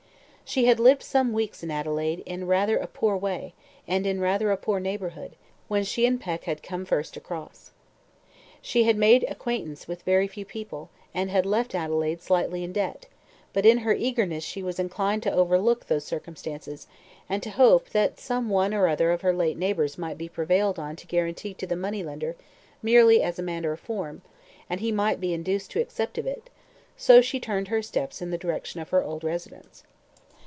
She had lived some weeks in Adelaide in rather a poor way, and in rather a poor neighbourhood, when she and Peck had come first across. She had made acquaintance with a very few people, and had left Adelaide slightly in debt, but in her eagerness she was inclined to overlook those circumstances, and to hope that some one or other of her late neighbours might be prevailed on to be a guarantee to the money lender merely as a matter of form, and he might be induced to accept of it; so she turned her steps in the direction of her old residence.